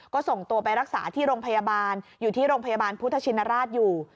ก็ส่งตัวไปรักษาที่โรงพยาบาลอยู่ที่โรงพยาบาลพุทธชินราชอยู่